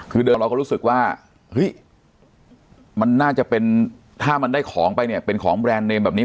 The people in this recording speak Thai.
คือเดิมเราก็รู้สึกว่าเฮ้ยมันน่าจะเป็นถ้ามันได้ของไปเนี่ยเป็นของแบรนด์เนมแบบนี้